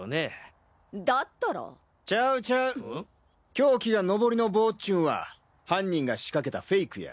凶器がノボリの棒っちゅうんは犯人が仕掛けたフェイクや！